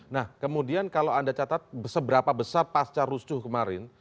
nah kemudian kalau anda catat seberapa besar pasca rusuh kemarin